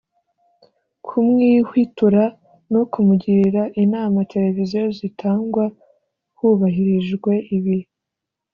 kumuhwitura no kumugira inama televiziyo zitangwa hubahirijwe ibi